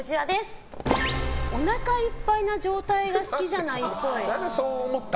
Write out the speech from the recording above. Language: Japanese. お腹いっぱいな状態が好きじゃないっぽい。